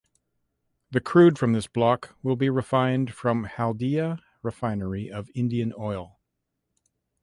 The crude from this block will be refined from Haldia refinery of Indian Oil.